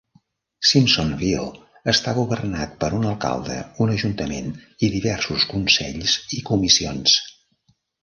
Simpsonville està governat per un alcalde, un ajuntament i diversos consells i comissions.